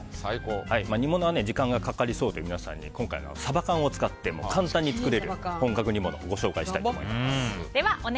煮物は時間がかかりそうという皆さんに今回はサバ缶を使って簡単に作れる本格煮物をご紹介したいと思います。